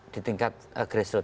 di tingkat grassroot